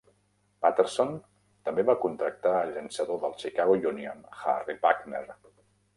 Patterson també va contractar el llançador dels Chicago Union, Harry Buckner.